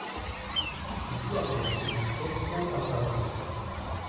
じつはこのしくみけっこうかんたんなんです。